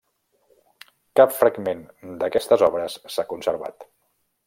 Cap fragment d'aquestes obres s'ha conservat.